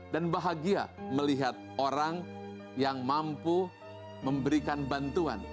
dan bahagia melihat orang yang mampu memberikan bantuan